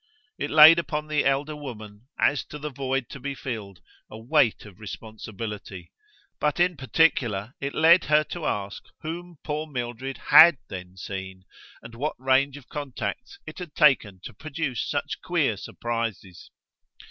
It laid upon the elder woman, as to the void to be filled, a weight of responsibility; but in particular it led her to ask whom poor Mildred HAD then seen, and what range of contacts it had taken to produce such queer surprises.